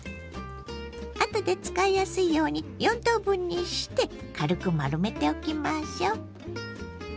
あとで使いやすいように４等分にして軽く丸めておきましょう。